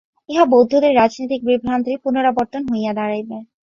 ইহা বৌদ্ধদের রাজনীতিক বিভ্রান্তির পুনরাবর্তন হইয়া দাঁড়াইবে।